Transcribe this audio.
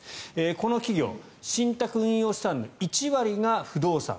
この企業信託運用資産の１割が不動産。